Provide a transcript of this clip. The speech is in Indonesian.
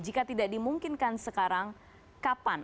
jika tidak dimungkinkan sekarang kapan